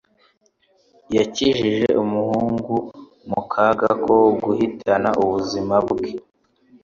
Yakijije umuhungu mu kaga ko guhitana ubuzima bwe.